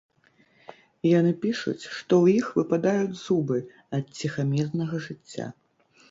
Яны пішуць, што ў іх выпадаюць зубы ад ціхамірнага жыцця.